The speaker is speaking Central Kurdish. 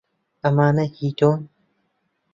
ئەمانە هیی تۆن؟